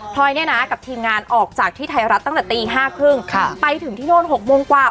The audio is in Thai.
กับทีมงานออกจากที่ไทยรัฐตั้งแต่ตี๕๓๐ไปถึงที่โน่น๖โมงกว่า